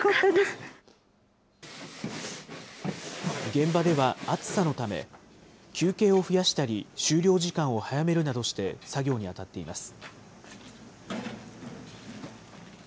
現場では暑さのため、休憩を増やしたり、終了時間を早めるなどして作業に当たっています。